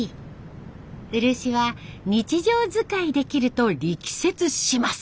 漆は日常使いできると力説します。